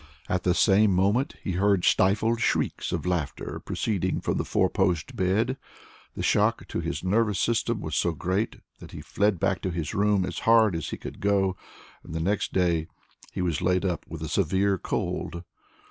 At the same moment he heard stifled shrieks of laughter proceeding from the four post bed. The shock to his nervous system was so great that he fled back to his room as hard as he could go, and the next day he was laid up with a severe cold.